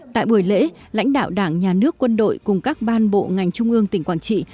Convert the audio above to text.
tại buổi lễ lãnh đạo đảng nhà nước quân đội cùng các ban bộ ngành trung ương tỉnh quảng trị